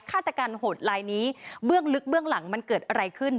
ฆาตกรรมโหดลายนี้เบื้องลึกเบื้องหลังมันเกิดอะไรขึ้น